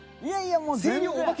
いやいや。